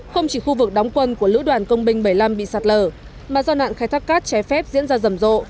không chỉ khu vực đóng quân của lữ đoàn công binh bảy mươi năm bị sạt lở mà do nạn khai thác cát trái phép diễn ra rầm rộ